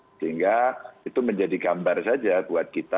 sehingga itu menjadi gambar saja buat kita